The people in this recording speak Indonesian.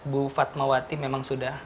bu fatmawati memang sudah